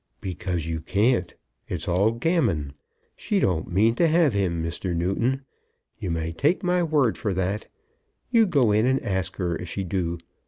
"Because you can't. It's all gammon. She don't mean to have him, Mr. Newton. You may take my word for that. You go in and ask her if she do.